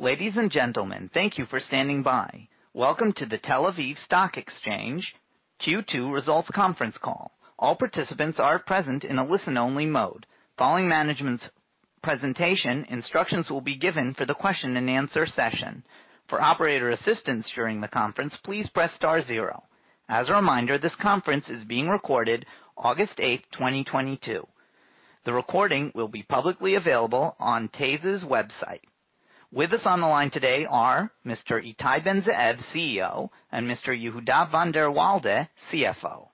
Ladies and gentlemen, thank you for standing by. Welcome to the Tel Aviv Stock Exchange Q2 Results Conference Call. All participants are present in a listen-only mode. Following management's presentation, instructions will be given for the question-and-answer session. For operator assistance during the conference, please press star zero. As a reminder, this conference is being recorded August 8th, 2022. The recording will be publicly available on TASE's website. With us on the line today are Mr. Ittai Ben-Zeev, CEO, and Mr. Yehuda van der Walde, CFO.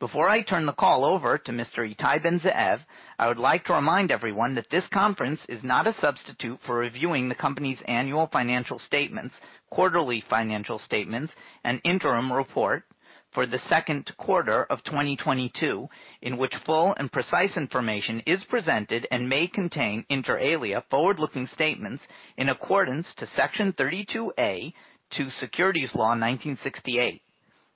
Before I turn the call over to Mr. Ittai Ben-Zeev, I would like to remind everyone that this conference is not a substitute for reviewing the company's annual financial statements, quarterly financial statements, and interim report for the second quarter of 2022, in which full and precise information is presented and may contain, inter alia, forward-looking statements in accordance with Section 32A of the Securities Law, 1968.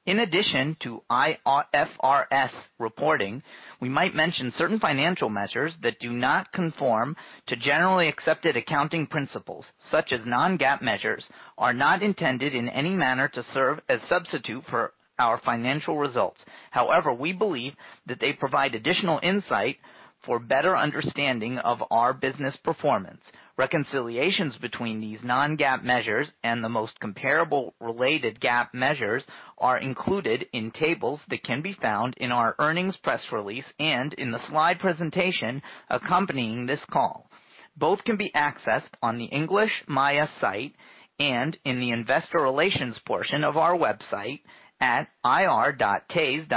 In addition to IFRS reporting, we might mention certain financial measures that do not conform to generally accepted accounting principles, such as non-GAAP measures, are not intended in any manner to serve as substitute for our financial results. However, we believe that they provide additional insight for better understanding of our business performance. Reconciliations between these non-GAAP measures and the most comparable related GAAP measures are included in tables that can be found in our earnings press release and in the slide presentation accompanying this call. Both can be accessed on the English MAYA site and in the investor relations portion of our website at ir.tase.co.il/en.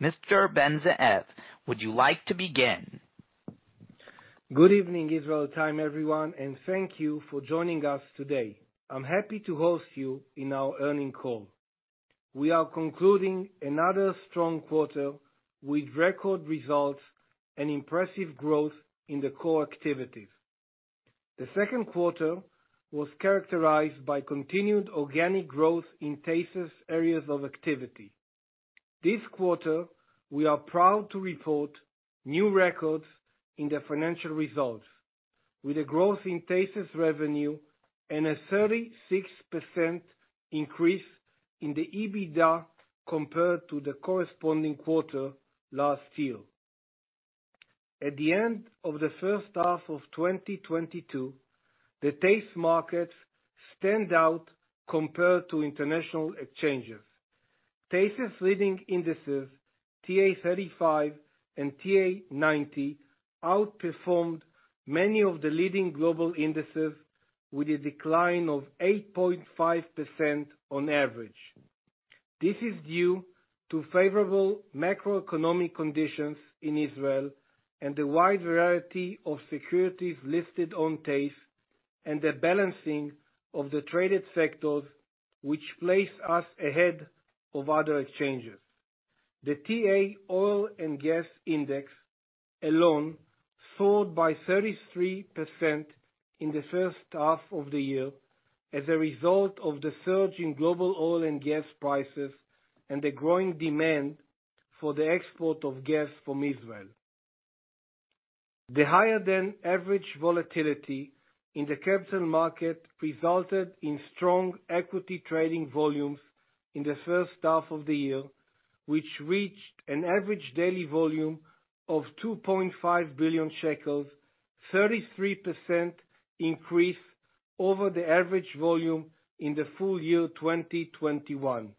Mr. Ben-Zeev, would you like to begin? Good evening, Israel time, everyone, and thank you for joining us today. I'm happy to host you in our earnings call. We are concluding another strong quarter with record results and impressive growth in the core activities. The second quarter was characterized by continued organic growth in TASE's areas of activity. This quarter, we are proud to report new records in the financial results, with a growth in TASE's revenue and a 36% increase in the EBITDA compared to the corresponding quarter last year. At the end of the first half of 2022, the TASE markets stand out compared to international exchanges. TASE's leading indices, TA-35 and TA-90, outperformed many of the leading global indices with a decline of 8.5% on average. This is due to favorable macroeconomic conditions in Israel and the wide variety of securities listed on TASE and the balancing of the traded sectors which place us ahead of other exchanges. The TA-Oil & Gas Index alone soared by 33% in the first half of the year as a result of the surge in global oil and gas prices and the growing demand for the export of gas from Israel. The higher than average volatility in the capital market resulted in strong equity trading volumes in the first half of the year, which reached an average daily volume of 2.5 billion shekels, 33% increase over the average volume in the full year 2021.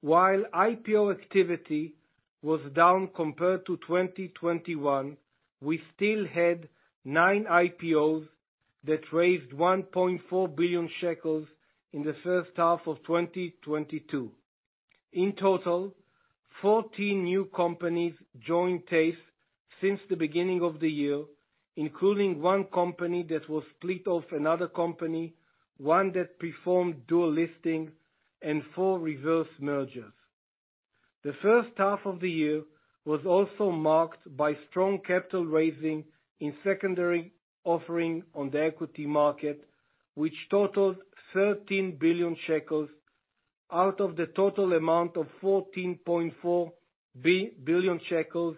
While IPO activity was down compared to 2021, we still had nine IPOs that raised 1.4 billion shekels in the first half of 2022. In total, 14 new companies joined TASE since the beginning of the year, including one company that was split off another company, one that performed dual listing and four reverse mergers. The first half of the year was also marked by strong capital raising in secondary offering on the equity market, which totaled 13 billion Shekels out of the total amount of 14.4 billion Shekels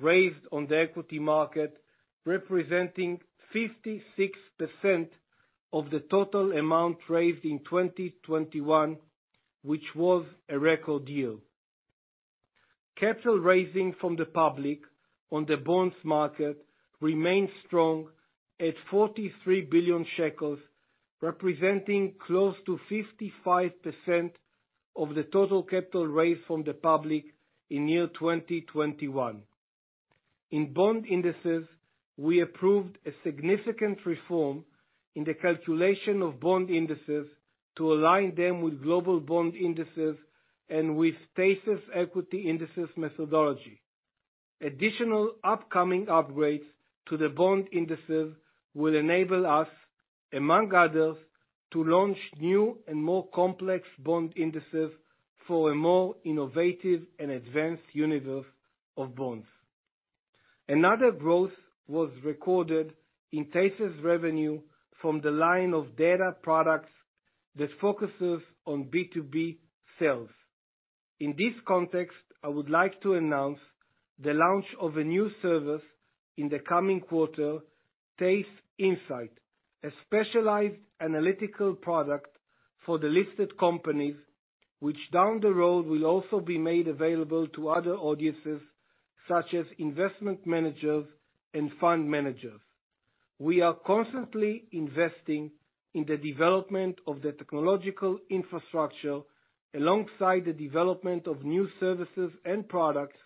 raised on the equity market, representing 56% of the total amount raised in 2021, which was a record year. Capital raising from the public on the bonds market remained strong at 43 billion Shekels, representing close to 55% of the total capital raised from the public in year 2021. In bond indices, we approved a significant reform in the calculation of bond indices to align them with global bond indices and with TASE's equity indices methodology. Additional upcoming upgrades to the bond indices will enable us, among others, to launch new and more complex bond indices for a more innovative and advanced universe of bonds. Another growth was recorded in TASE's revenue from the line of data products that focuses on B2B sales. In this context, I would like to announce the launch of a new service in the coming quarter, TASE Insight, a specialized analytical product for the listed companies, which down the road will also be made available to other audiences such as investment managers and fund managers. We are constantly investing in the development of the technological infrastructure alongside the development of new services and products,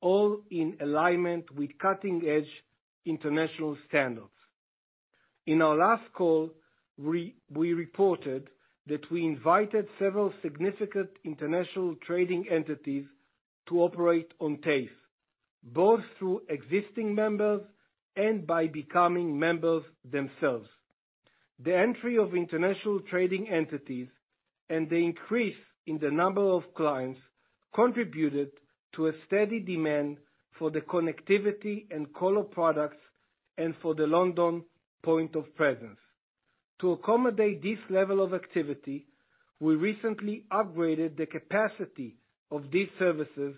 all in alignment with cutting-edge international standards. In our last call, we reported that we invited several significant international trading entities to operate on TASE, both through existing members and by becoming members themselves. The entry of international trading entities and the increase in the number of clients contributed to a steady demand for the connectivity and Colo products and for the London point of presence. To accommodate this level of activity, we recently upgraded the capacity of these services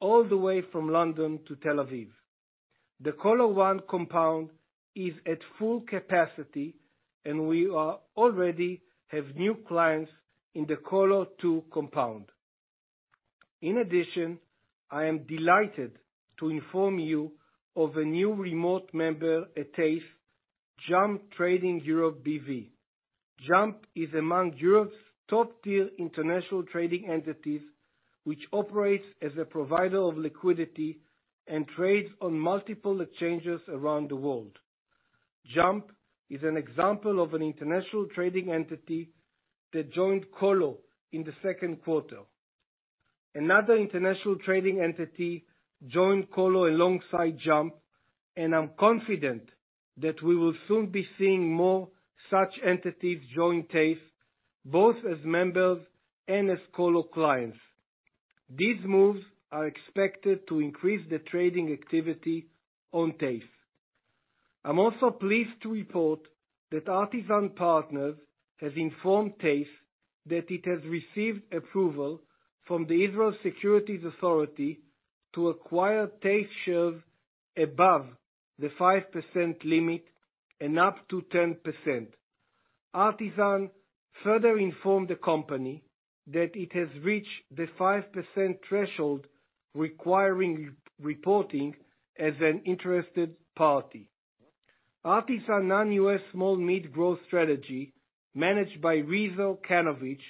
all the way from London to Tel Aviv. The Colo 1 compound is at full capacity, and we already have new clients in the Colo 2 compound. In addition, I am delighted to inform you of a new remote member at TASE, Jump Trading Europe B.V. Jump is among Europe's top-tier international trading entities, which operates as a provider of liquidity and trades on multiple exchanges around the world. Jump is an example of an international trading entity that joined Colo in the second quarter. Another international trading entity joined Colo alongside Jump, and I'm confident that we will soon be seeing more such entities join TASE, both as members and as Colo clients. These moves are expected to increase the trading activity on TASE. I'm also pleased to report that Artisan Partners has informed TASE that it has received approval from the Israel Securities Authority to acquire TASE shares above the 5% limit and up to 10%. Artisan further informed the company that it has reached the 5% threshold requiring reporting as an interested party. Artisan Non-U.S. Small-Mid Growth Strategy, managed by Reuven Kanovich,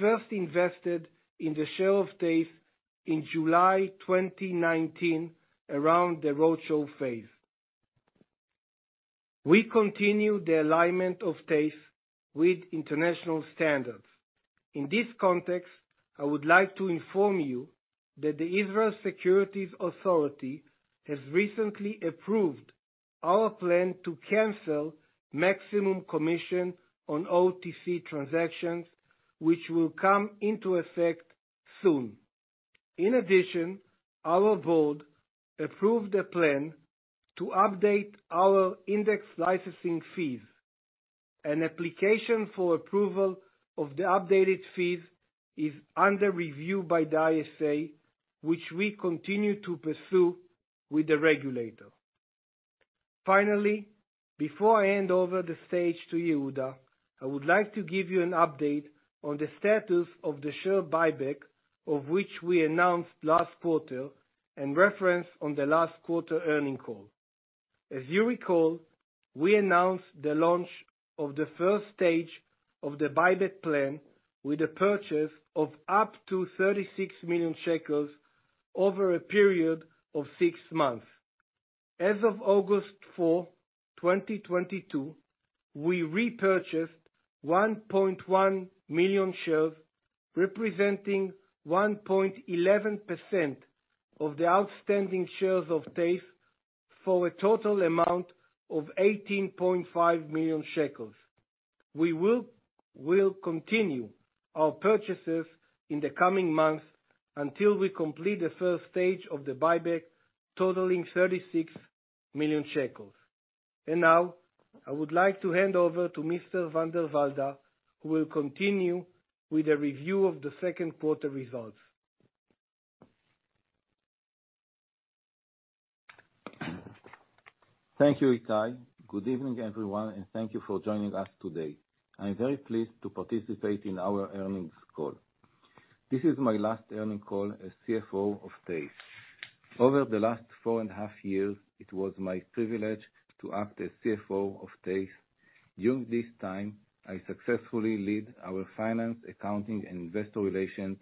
first invested in the share of TASE in July 2019 around the roadshow phase. We continue the alignment of TASE with international standards. In this context, I would like to inform you that the Israel Securities Authority has recently approved our plan to cancel maximum commission on OTC transactions, which will come into effect soon. In addition, our board approved a plan to update our index licensing fees. An application for approval of the updated fees is under review by the ISA, which we continue to pursue with the regulator. Finally, before I hand over the stage to Yehuda, I would like to give you an update on the status of the share buyback of which we announced last quarter and referenced on the last quarter earnings call. As you recall, we announced the launch of the first stage of the buyback plan with a purchase of up to 36 million Shekels over a period of six months. As of August 4, 2022, we repurchased 1.1 million shares, representing 1.11% of the outstanding shares of TASE, for a total amount of 18.5 million Shekels. We will continue our purchases in the coming months until we complete the first stage of the buyback, totaling 36 million Shekels. Now, I would like to hand over to Mr. van der Walde, who will continue with a review of the second quarter results. Thank you, Ittai. Good evening, everyone, and thank you for joining us today. I'm very pleased to participate in our earnings call. This is my last earnings call as CFO of TASE. Over the last four and a half years, it was my privilege to act as CFO of TASE. During this time, I successfully lead our finance, accounting, and investor relations,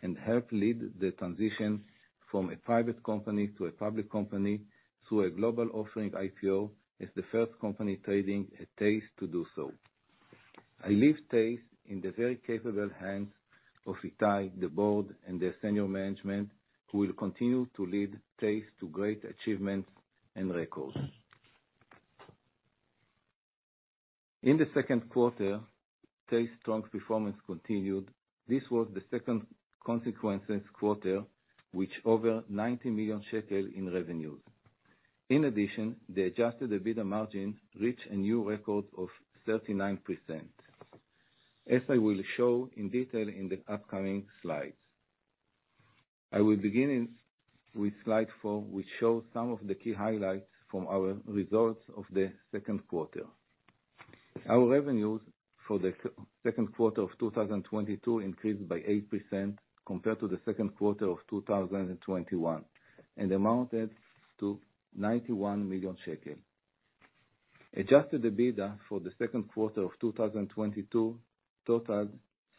and help lead the transition from a private company to a public company through a global offering IPO as the first company trading at TASE to do so. I leave TASE in the very capable hands of Ittai, the board, and their senior management, who will continue to lead TASE to great achievements and records. In the second quarter, TASE's strong performance continued. This was the second consecutive quarter with over 90 million Shekels in revenues. In addition, the adjusted EBITDA margin reached a new record of 39%, as I will show in detail in the upcoming slides. I will begin with slide four, which shows some of the key highlights from our results of the second quarter. Our revenues for the second quarter of 2022 increased by 8% compared to the second quarter of 2021 and amounted to 91 million shekel. Adjusted EBITDA for the second quarter of 2022 totaled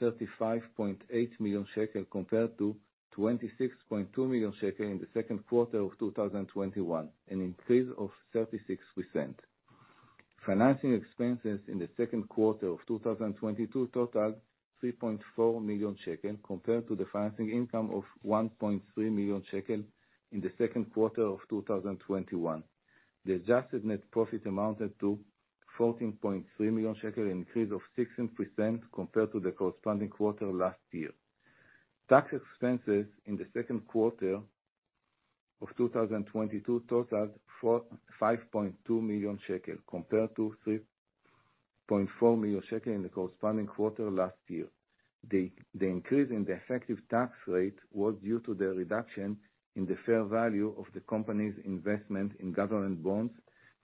35.8 million shekel compared to 26.2 million shekel in the second quarter of 2021, an increase of 36%. Financing expenses in the second quarter of 2022 totaled 3.4 million Shekels compared to the financing income of 1.3 million Shekels in the second quarter of 2021. The adjusted net profit amounted to 14.3 million Shekels, an increase of 16% compared to the corresponding quarter last year. Tax expenses in the second quarter of 2022 totaled 5.2 shekel compared to 3.4 million Shekels in the corresponding quarter last year. The increase in the effective tax rate was due to the reduction in the fair value of the company's investment in government bonds,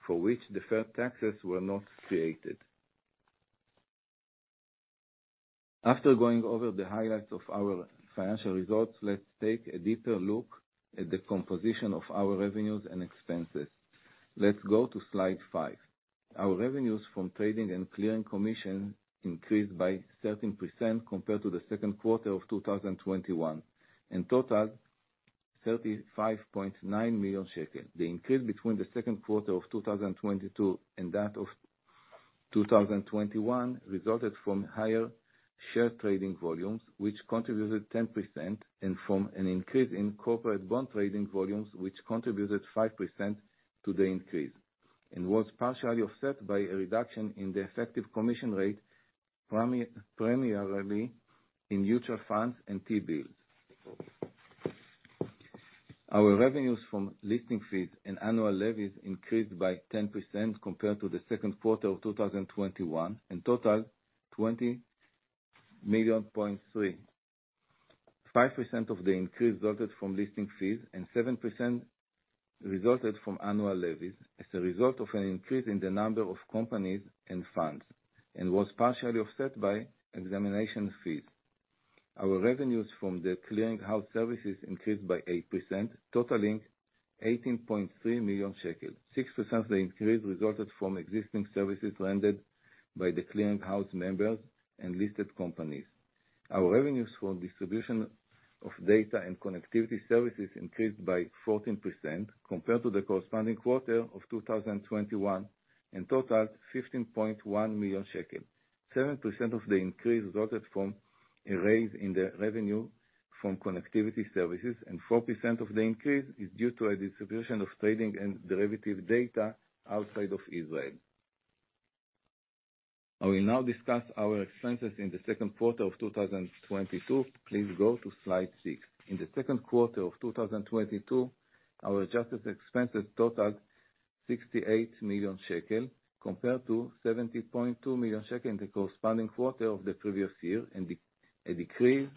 for which deferred taxes were not created. After going over the highlights of our financial results, let's take a deeper look at the composition of our revenues and expenses. Let's go to slide five. Our revenues from trading and clearing commission increased by 13% compared to the second quarter of 2021 and totaled 35.9 million Shekels. The increase between the second quarter of 2022 and that of 2021 resulted from higher share trading volumes, which contributed 10%, and from an increase in corporate bond trading volumes, which contributed 5% to the increase, and was partially offset by a reduction in the effective commission rate, primarily in mutual funds and T-bills. Our revenues from listing fees and annual levies increased by 10% compared to the second quarter of 2021 and totaled 20.3 million. 5% of the increase resulted from listing fees and 7% resulted from annual levies as a result of an increase in the number of companies and funds, and was partially offset by examination fees. Our revenues from the clearing house services increased by 8%, totaling 18.3 million Shekels. 6% of the increase resulted from existing services rendered by the clearing house members and listed companies. Our revenues for distribution of data and connectivity services increased by 14% compared to the corresponding quarter of 2021 and totaled 15.1 million Shekels. 7% of the increase resulted from a raise in the revenue from connectivity services, and 4% of the increase is due to a distribution of trading and derivative data outside of Israel. I will now discuss our expenses in the second quarter of 2022. Please go to slide six. In the second quarter of 2022, our adjusted expenses totaled 68 million Shekels compared to 70.2 million Shekels in the corresponding quarter of the previous year, and a 3% decrease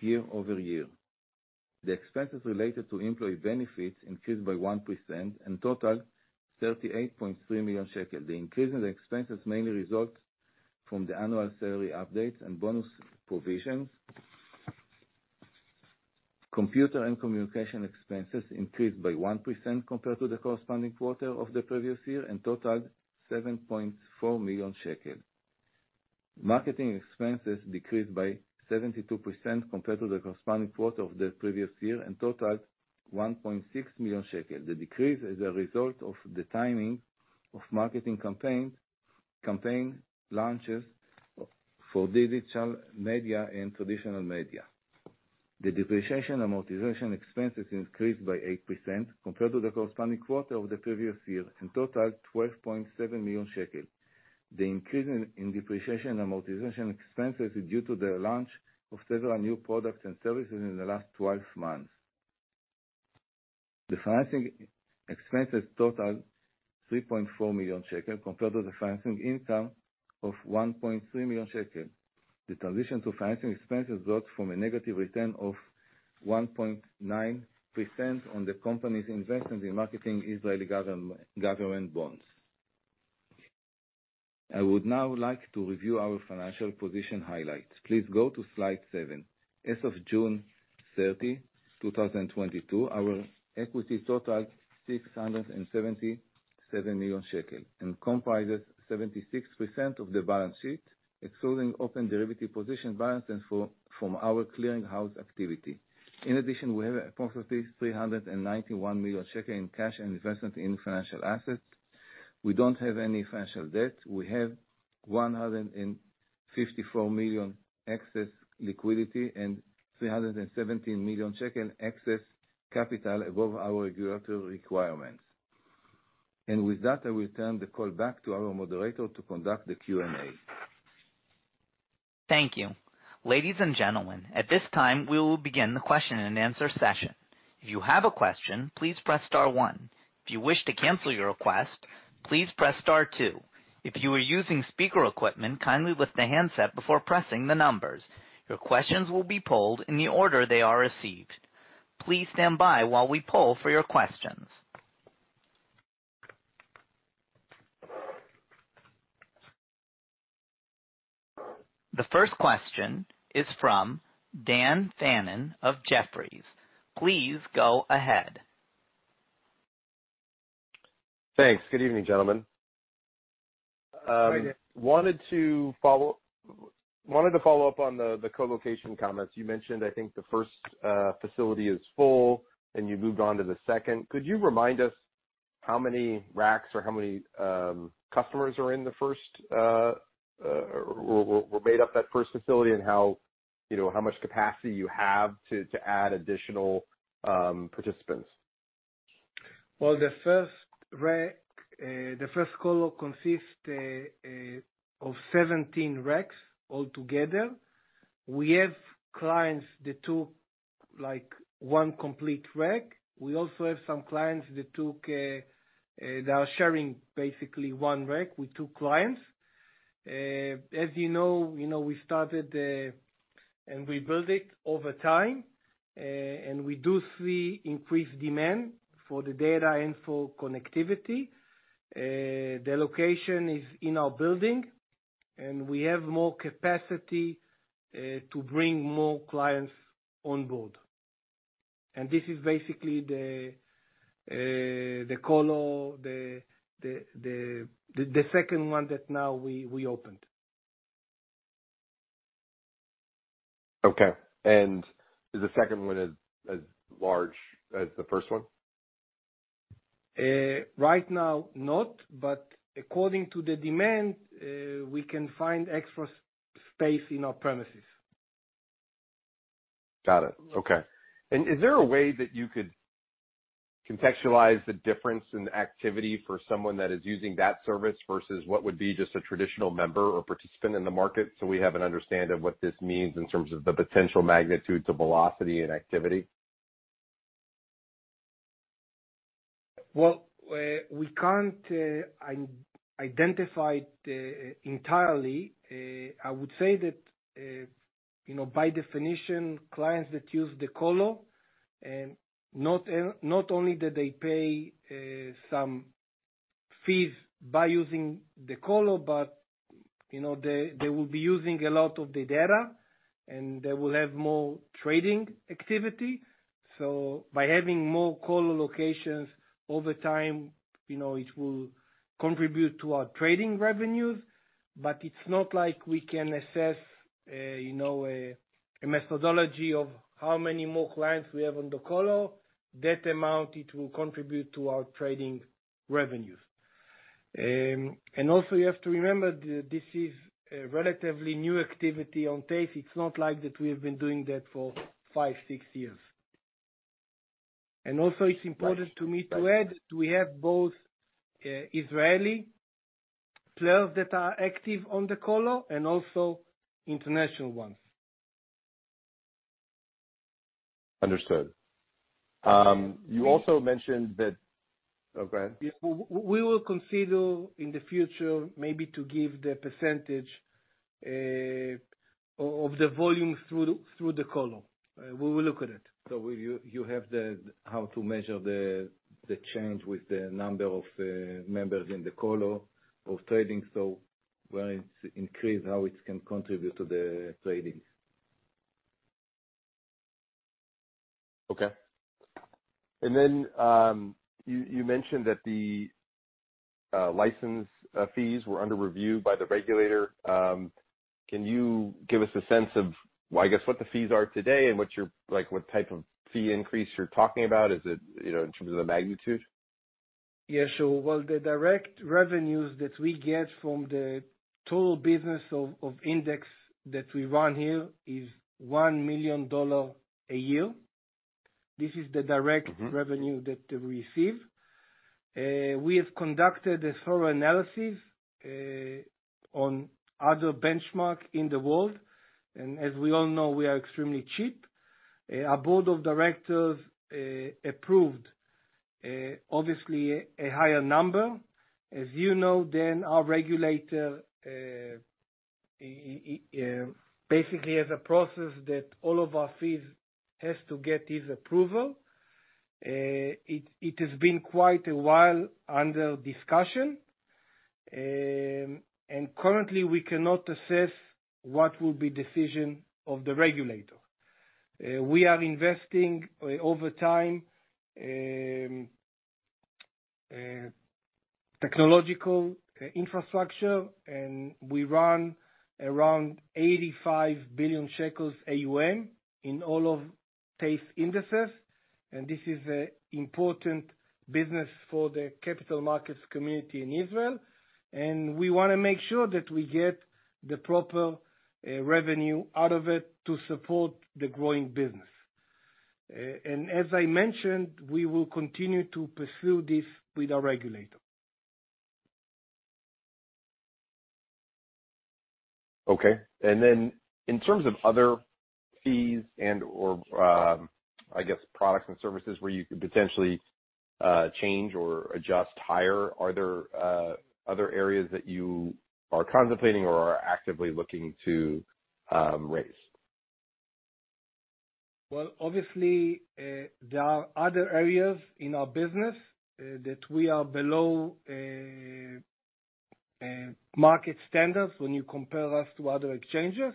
year-over-year. The expenses related to employee benefits increased by 1% and totaled 38.3 million shekel. The increase in expenses mainly result from the annual salary updates and bonus provisions. Computer and communication expenses increased by 1% compared to the corresponding quarter of the previous year and totaled 7.4 million Shekels. Marketing expenses decreased by 72% compared to the corresponding quarter of the previous year and totaled 1.6 million Shekels. The decrease is a result of the timing of marketing campaign launches for digital media and traditional media. The depreciation and amortization expenses increased by 8% compared to the corresponding quarter of the previous year and totaled 12.7 million Shekels. The increase in depreciation and amortization expenses is due to the launch of several new products and services in the last 12 months. The financing expenses totaled 3.4 million Shekels compared to the financing income of 1.3 million Shekels. The transition to financing expenses result from a negative return of 1.9% on the company's investments in marketable Israeli government bonds. I would now like to review our financial position highlights. Please go to slide seven. As of June 30, 2022, our equity totaled 677 million Shekels and comprises 76% of the balance sheet, excluding open derivative position balances from our clearing house activity. In addition, we have approximately 391 million Shekels in cash and investments in financial assets. We don't have any financial debt. We have 154 million excess liquidity and 317 million Shekels excess capital above our regulatory requirements. With that, I will turn the call back to our moderator to conduct the Q&A. Thank you. Ladies and gentlemen, at this time, we will begin the question-and-answer session. If you have a question, please press star one. If you wish to cancel your request, please press star two. If you are using speaker equipment, kindly lift the handset before pressing the numbers. Your questions will be polled in the order they are received. Please stand by while we poll for your questions. The first question is from Dan Fannon of Jefferies. Please go ahead. Thanks. Good evening, gentlemen. Hi, Dan. Wanted to follow up on the Co-Location comments. You mentioned, I think the first facility is full, and you moved on to the second. Could you remind us how many racks or how many customers are in the first or what makes up that first facility and, you know, how much capacity you have to add additional participants? Well, the first rack, the first Colo consists of 17 racks altogether. We have clients that took, like, one complete rack. We also have some clients that took, they are sharing basically one rack with two clients. As you know, you know, we started and we build it over time. We do see increased demand for the data info connectivity. The location is in our building, and we have more capacity to bring more clients on board. This is basically the Colo, the second one that now we opened. Okay. Is the second one as large as the first one? Right now, not, but according to the demand, we can find extra space in our premises. Got it. Okay. Is there a way that you could contextualize the difference in activity for someone that is using that service versus what would be just a traditional member or participant in the market, so we have an understanding of what this means in terms of the potential magnitude to velocity and activity? Well, we can't identify it entirely. I would say that, you know, by definition, clients that use the Colo, not only that they pay some fees by using the Colo, but, you know, they will be using a lot of the data, and they will have more trading activity. By having more Colo locations over time, you know, it will contribute to our trading revenues. It's not like we can assess, you know, a methodology of how many more clients we have on the colo, that amount it will contribute to our trading revenues. You have to remember that this is a relatively new activity on TASE. It's not like that we have been doing that for five, six years. It's important to me to add, we have both, Israeli players that are active on the Colo and also international ones. Understood. You also mentioned that. Oh, go ahead. Yeah. We will consider in the future maybe to give the percentage of the volume through the Colo. We will look at it. You have how to measure the change with the number of members in the Colo of trading, so when it's increased, how it can contribute to the trading. Okay. You mentioned that the license fees were under review by the regulator. Can you give us a sense of, well, I guess, what the fees are today and what you're, like what type of fee increase you're talking about? Is it, you know, in terms of the magnitude? Yeah, sure. Well, the direct revenues that we get from the total business of index that we run here is $1 million a year. This is the direct revenue that we receive. We have conducted a thorough analysis on other benchmarks in the world, and as we all know, we are extremely cheap. Our board of directors approved, obviously, a higher number. As you know, Dan, our regulator basically has a process that all of our fees has to get his approval. It has been quite a while under discussion. Currently, we cannot assess what will be the decision of the regulator. We are investing over time in technological infrastructure, and we run around 85 billion Shekels AUM in all of these indices, and this is an important business for the capital markets community in Israel. We wanna make sure that we get the proper revenue out of it to support the growing business. As I mentioned, we will continue to pursue this with our regulator. Okay. In terms of other fees and or, I guess products and services where you could potentially change or adjust higher, are there other areas that you are contemplating or are actively looking to raise? Well, obviously, there are other areas in our business that we are below market standards when you compare us to other exchanges.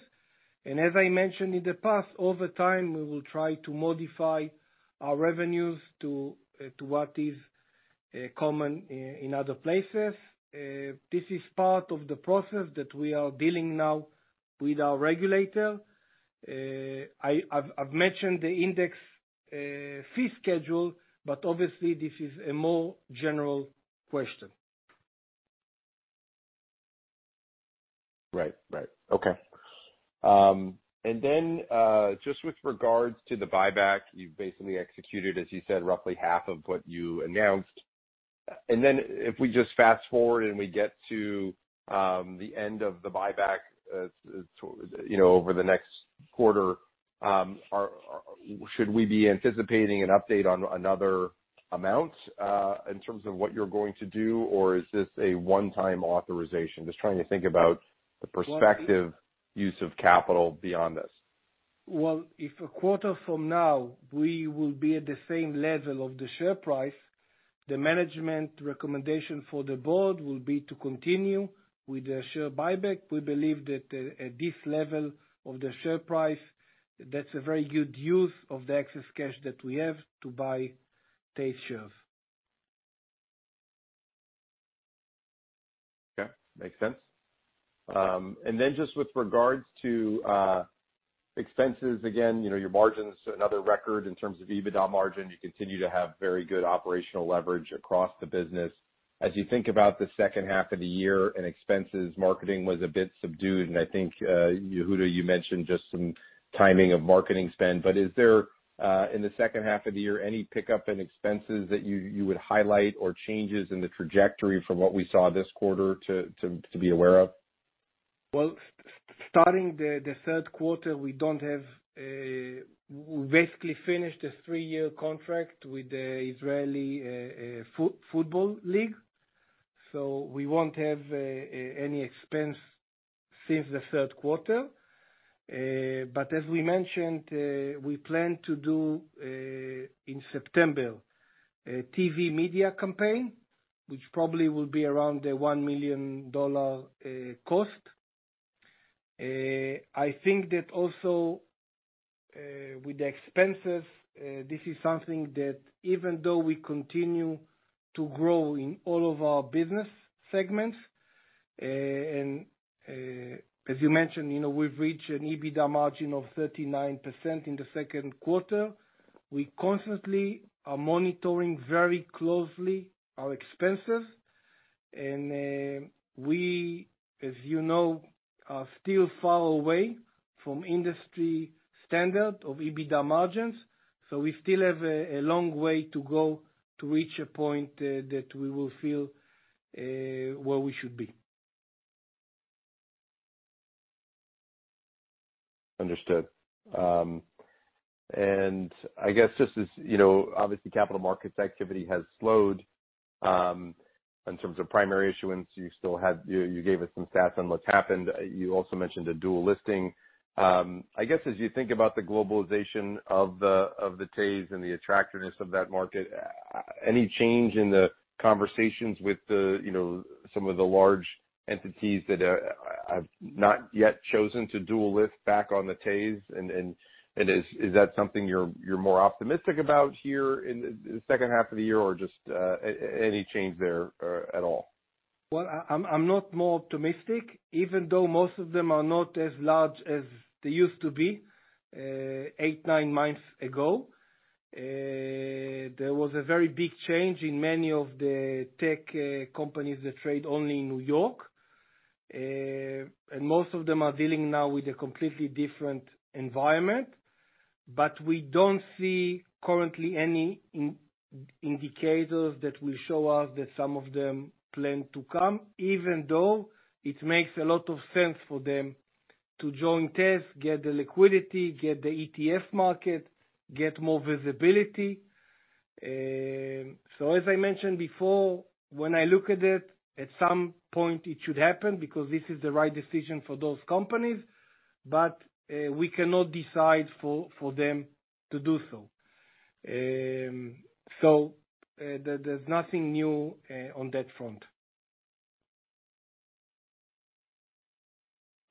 As I mentioned in the past, over time, we will try to modify our revenues to what is common in other places. This is part of the process that we are dealing now with our regulator. I've mentioned the index fee schedule, but obviously this is a more general question. Right. Okay. Just with regards to the buyback, you've basically executed, as you said, roughly half of what you announced. If we just fast-forward and we get to the end of the buyback, you know, over the next quarter, should we be anticipating an update on another amount in terms of what you're going to do or is this a one-time authorization? Just trying to think about the prospective use of capital beyond this. Well, if a quarter from now we will be at the same level of the share price, the management recommendation for the board will be to continue with the share buyback. We believe that, at this level of the share price, that's a very good use of the excess cash that we have to buy TASE shares. Okay. Makes sense. Then just with regards to expenses, again, you know, your margins, another record in terms of EBITDA margin. You continue to have very good operational leverage across the business. As you think about the second half of the year and expenses, marketing was a bit subdued. I think, Yehuda, you mentioned just some timing of marketing spend. Is there in the second half of the year, any pickup in expenses that you would highlight or changes in the trajectory from what we saw this quarter to be aware of? Well, starting the third quarter, we don't have. We basically finished a three-year contract with the Israeli football league. We won't have any expense since the third quarter. But as we mentioned, we plan to do in September a TV media campaign, which probably will be around a $1 million cost. I think that also with the expenses, this is something that even though we continue to grow in all of our business segments, and as you mentioned, you know, we've reached an EBITDA margin of 39% in the second quarter. We constantly are monitoring very closely our expenses. We, as you know, are still far away from industry standard of EBITDA margins. We still have a long way to go to reach a point that we will feel where we should be. Understood. I guess just as, you know, obviously capital markets activity has slowed, in terms of primary issuance, you still had. You gave us some stats on what's happened. You also mentioned a dual listing. I guess as you think about the globalization of the TASE and the attractiveness of that market, any change in the conversations with, you know, some of the large entities that have not yet chosen to dual list back on the TASE? Is that something you're more optimistic about here in the second half of the year or just any change there at all? Well, I'm not more optimistic. Even though most of them are not as large as they used to be, eight, nine months ago. There was a very big change in many of the tech companies that trade only in New York. Most of them are dealing now with a completely different environment. We don't see currently any indicators that will show us that some of them plan to come, even though it makes a lot of sense for them to join TASE, get the liquidity, get the ETF market, get more visibility. As I mentioned before, when I look at it, at some point it should happen because this is the right decision for those companies. We cannot decide for them to do so. There's nothing new on that front.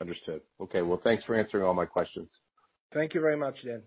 Understood. Okay. Well, thanks for answering all my questions. Thank you very much, Dan.